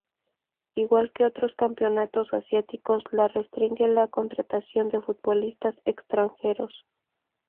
Igual que otros campeonatos asiáticos, la restringe la contratación de futbolistas extranjeros.